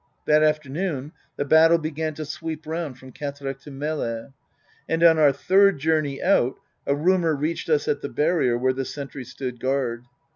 That afternoon the battle began to sweep round from Quatrecht to Melle ; and on our third journey out a rumour reached us at the barrier where the sentry stood guard.